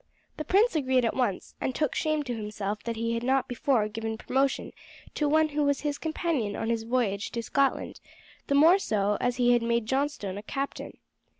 The prince agreed at once, and took shame to himself that he had not before given promotion to one who was his companion on his voyage to Scotland, the more so as he had made Johnstone a captain.